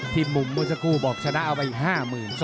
ทีมมุมโมซากูบอกชนะเอาไปอีก๕หมื่น